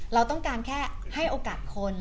เราต้องการแค่ให้โอกาสคน